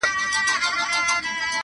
کرۍ ورځ به وه په نجونو کي خندانه-